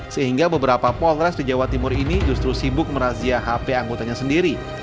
sehingga beberapa polres di jawa timur ini justru sibuk merazia hp anggotanya sendiri